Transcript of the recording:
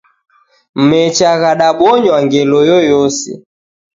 Mecha ghadabonywa ngelo yoyose.